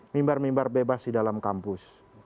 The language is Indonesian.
mimbar mimbar bebas di dalam kampus